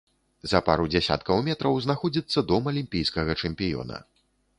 За пару дзясяткаў метраў знаходзіцца дом алімпійскага чэмпіёна.